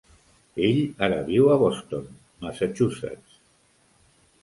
Ell ara viu a Boston, Massachusetts.